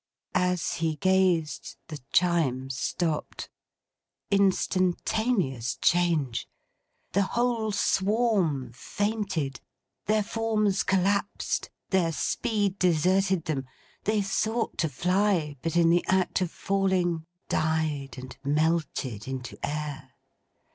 As he gazed, the Chimes stopped. Instantaneous change! The whole swarm fainted! their forms collapsed, their speed deserted them; they sought to fly, but in the act of falling died and melted into air.